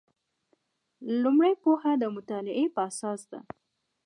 لومړۍ پوهه د مطالعې په اساس ده.